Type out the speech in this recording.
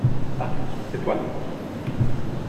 Ah, c’est toi?